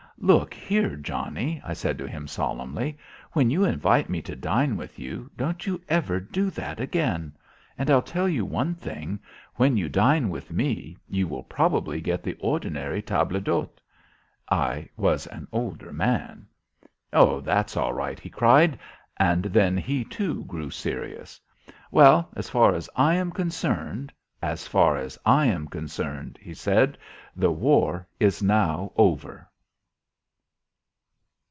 "Look here, Johnnie," I said to him solemnly, "when you invite me to dine with you, don't you ever do that again. And I'll tell you one thing when you dine with me you will probably get the ordinary table d'hôte." I was an older man. "Oh, that's all right," he cried. And then he too grew serious. "Well, as far as I am concerned as far as I am concerned," he said, "the war is now over."